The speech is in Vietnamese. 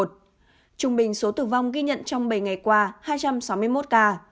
trung bình số tử vong ghi nhận trong bảy ngày qua hai trăm sáu mươi một ca